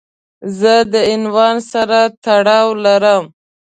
زه د عنوان سره تړاو لرم.